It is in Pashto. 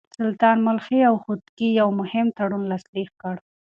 سلطان ملخي او خودکي يو مهم تړون لاسليک کړ.